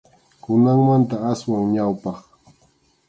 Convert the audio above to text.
Kunanmanta aswan ñawpaq.